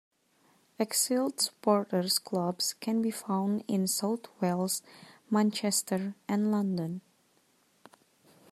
Exiled supporters clubs can be found in South Wales, Manchester and London.